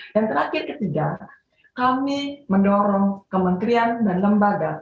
dan terakhir ketiga kami mendorong kementerian dan lembaga